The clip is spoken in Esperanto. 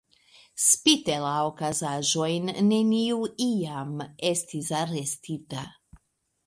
Spite la okazaĵojn, neniu iam estis arestita.